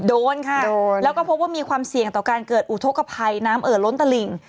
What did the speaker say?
โดนค่ะแล้วก็พบว่ามีความเสี่ยงต่อการเกิดอุทธกภัยน้ำเอ่อล้นตลิ่ง